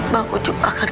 bang ucup akan